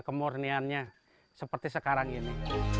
kemurniannya seperti sekarang ini